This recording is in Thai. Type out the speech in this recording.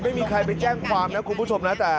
ไม่มีใครไปแจ้งความนะคุณผู้ชมนะ